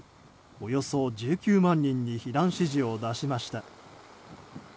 およそ１９万人に避難指示を出しました。